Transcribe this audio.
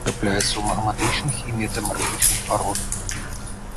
Трапляецца ў магматычных і метамарфічных пародах.